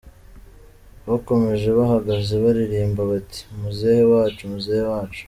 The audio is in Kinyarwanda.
Bakomeje bahagaze baririmba bati ‘Muzehe wacu, Muzehe wacu !